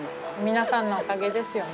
皆さんのおかげですよね。